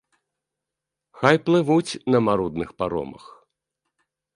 Хай плывуць на марудных паромах.